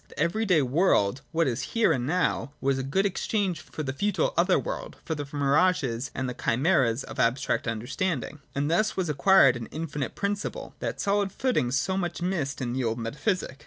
The every day world, what is here and now, was a good exchange for the futile other world 38.J EMPIRICISM. ,/ 79 —for the mirages and the chimeras of me abstract under standing. And thus was acquired an infi, nite principle,— that solid footing so much missed in the old jmetaphysic.